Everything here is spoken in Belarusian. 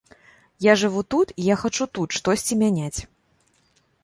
Я жыву тут і я хачу тут штосьці мяняць.